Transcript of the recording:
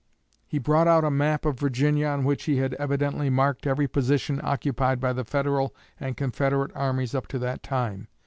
He brought out a map of Virginia on which he had evidently marked every position occupied by the Federal and Confederate armies up to that time.